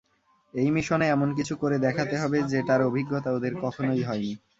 এই মিশনে এমনকিছু করে দেখাতে হবে, যেটার অভিজ্ঞতা ওদের কখনোই হয়নি।